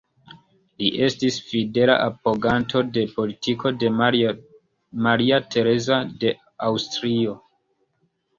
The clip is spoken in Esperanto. Li estis fidela apoganto de politiko de Maria Tereza de Aŭstrio.